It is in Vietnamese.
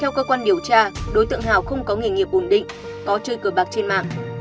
theo cơ quan điều tra đối tượng hào không có nghề nghiệp ổn định có chơi cờ bạc trên mạng